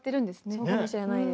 そうかもしれないです。